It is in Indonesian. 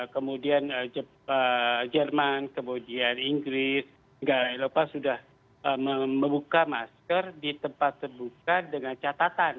kemudian jerman kemudian inggris negara eropa sudah membuka masker di tempat terbuka dengan catatan